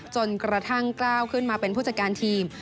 จนกระทั่งก้าวขึ้นมาเป็นผู้จัดการทีม